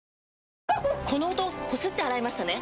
この音こすって洗いましたね？